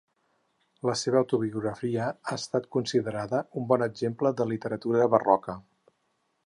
La seva autobiografia ha estat considerada un bon exemple de literatura barroca.